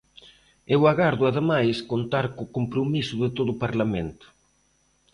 Eu agardo, ademais, contar co compromiso de todo o Parlamento.